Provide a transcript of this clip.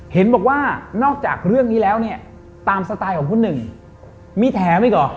เห็นบอกว่านอกจากเรื่องนี้แล้วเนี่ยตามสไตล์ของคุณหนึ่งมีแถมอีกเหรอ